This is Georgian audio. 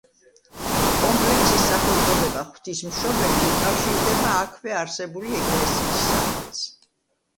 კომპლექსის სახელწოდება „ღვთისმშობელი“, უკავშირდება აქვე არსებული ეკლესიის სახელს.